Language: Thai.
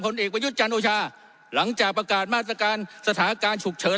เอกประยุทธ์จันทร์โอชาหลังจากประกาศมาตรการสถานการณ์ฉุกเฉิน